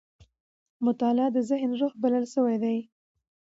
مطالعه د ذهن روح بلل سوې ده.